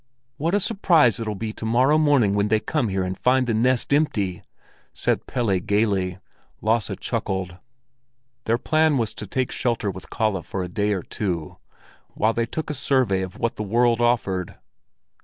"What a surprise it'll be to morrow morning when they come here and find the nest empty!" said Pelle gaily. Lasse chuckled. Their plan was to take shelter with Kalle for a day or two, while they took a survey of what the world offered.